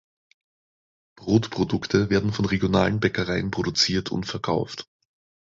Brotprodukte werden von regionalen Bäckereien produziert und verkauft.